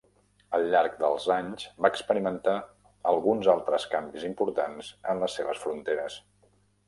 Al llarg dels anys va experimentar alguns altres canvis importants en les seves fronteres.